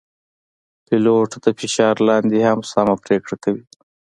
پیلوټ د فشار لاندې هم سمه پرېکړه کوي.